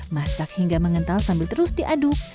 masak hingga mengental sambil terus diaduk